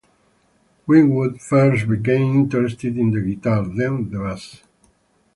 Winwood first became interested in the guitar, then the bass.